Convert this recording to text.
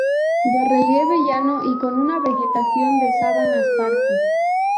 De relieve llano y con una vegetación de sabanas parque.